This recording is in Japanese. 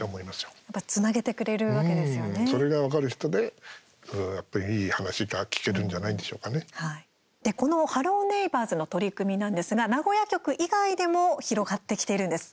うーん、それが分かる人でやっぱり、いい話がこの「ハロー！ネイバーズ」の取り組みなんですが名古屋局以外でも広がってきているんです。